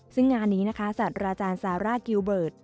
ซึ่งงานนี้นะคะสัตว์อาจารย์ซาร่ากิลเบิร์ต